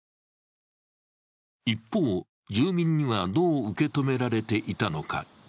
一方、住民にはどう受け止められていたのか。